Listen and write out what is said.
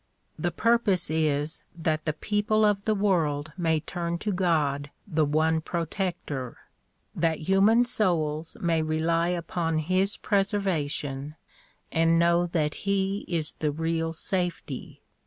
The purpose is that the people of the world may turn to God the one protector; that human souls may rely upon his preservation find know that he is the real safety.